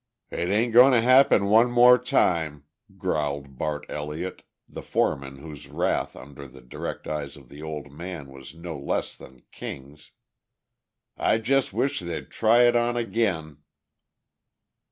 "It ain't goin' to happen one more time," growled Bart Elliott, the foreman whose wrath under the direct eyes of the "Old Man" was no less than King's. "I jes' wish they'd try it on again...."